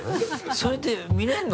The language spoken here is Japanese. それって見れるの？